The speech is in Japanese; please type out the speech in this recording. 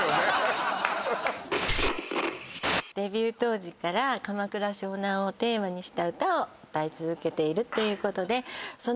デビュー当時から鎌倉・湘南をテーマにした歌を歌い続けているということではい